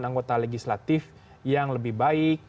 anggota legislatif yang lebih baik